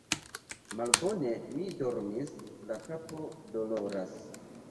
Malbone mi dormis, la kapo doloras.